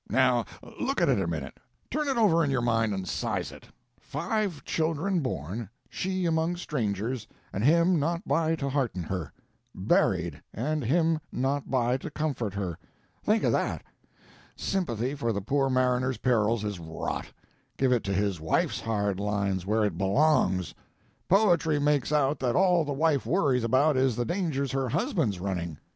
Now look at it a minute turn it over in your mind and size it: five children born, she among strangers, and him not by to hearten her; buried, and him not by to comfort her; think of that! Sympathy for the poor mariner's perils is rot; give it to his wife's hard lines, where it belongs! Poetry makes out that all the wife worries about is the dangers her husband's running.